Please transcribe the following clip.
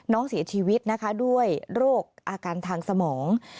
น้องเสียชีวิตนะคะด้วยโรคอาการทางสมอง